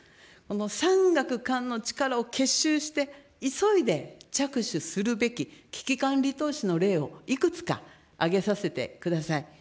産学官の力を結集して、急いで着手するべき危機管理投資の例を、いくつか挙げさせてください。